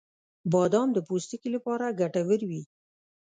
• بادام د پوستکي لپاره ګټور وي.